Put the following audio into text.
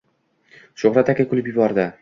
Shuhrat aka kulib yubordi: